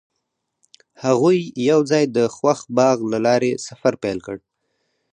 هغوی یوځای د خوښ باغ له لارې سفر پیل کړ.